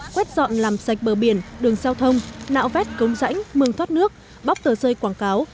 quét dọn làm sạch bờ biển đường giao thông nạo vét cống rãnh mương thoát nước bóp tờ rơi quảng cáo